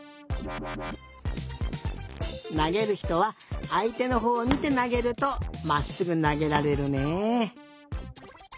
なげるひとはあいてのほうをみてなげるとまっすぐなげられるね。